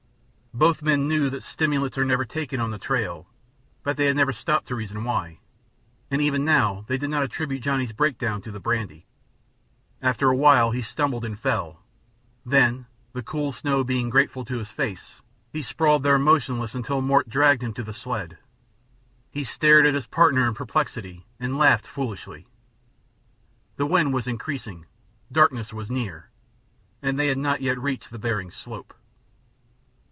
Both men knew that stimulants are never taken on the trail, but they had never stopped to reason why, and even now they did not attribute Johnny's breakdown to the brandy. After a while he stumbled and fell, then, the cool snow being grateful to his face, he sprawled there motionless until Mort dragged him to the sled. He stared at his partner in perplexity and laughed foolishly. The wind was increasing, darkness was near, they had not yet reached the Bering slope.